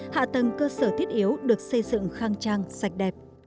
hạ tầng cơ sở thiết yếu được xây dựng khang trang sạch đẹp